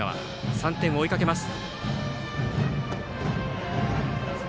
３点を追いかけます。